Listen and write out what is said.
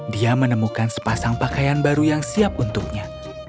dia menemukan sepasang pakaian baru yang siap untuknya